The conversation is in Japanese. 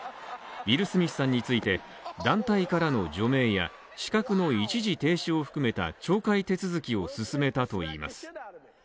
ウィル・スミスさんについて、団体からの除名や資格の一時停止を含めた懲戒手続きを進めたといいます。